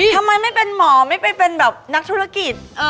ทำไมไม่เป็นหมอไม่ไปเป็นแบบนักธุรกิจ